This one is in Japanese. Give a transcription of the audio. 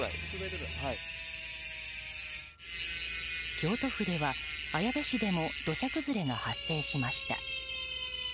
京都府では綾部市でも土砂崩れが発生しました。